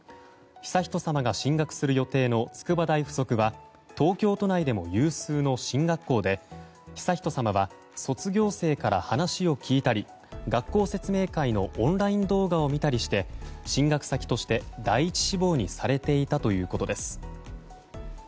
悠仁さまが進学する予定の筑波大附属は東京都内でも有数の進学校で悠仁さまは卒業生から話を聞いたり学校説明会のオンライン動画を見たりして進学先として第１志望にされていたということです。